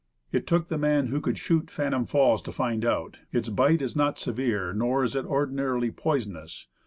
It took the man who could shoot Phantom Falls to find out, "Its bite is not severe, nor is it ordinarily poisonous.